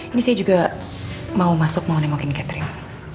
ini saya juga mau masuk mau nemokin catherine